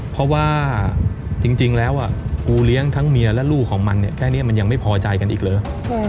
เพราะว่าจริงแล้วกูเลี้ยงทั้งเมียและลูกของมันเนี่ยแค่นี้มันยังไม่พอใจกันอีกเหรอ